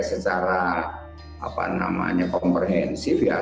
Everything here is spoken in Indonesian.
secara komprehensif ya terhadap tata kelola minyak goreng gitu loh mbak